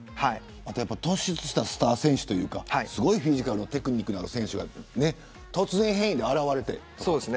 突出したスター選手というかすごいフィジカルとテクニックのある選手が突然変異で現れてとか。